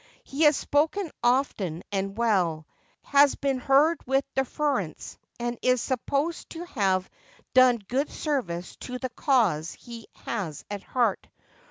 He has spoken often and well, has been heard with deference, and is supposed to have done good service to the cause he has at heart.